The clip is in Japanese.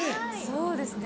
そうですね